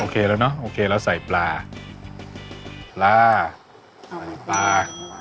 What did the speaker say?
โอเคแล้วเนอะโอเคแล้วใส่ปลาปลาปลา